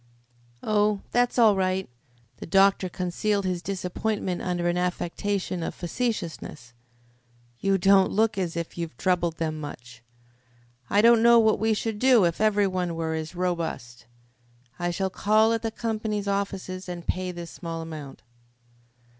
"Oh, that's all right." The doctor concealed his disappointment under an affectation of facetiousness. "You don't look as if you troubled them much. I don't know what we should do if every one were as robust. I shall call at the company's offices and pay this small amount."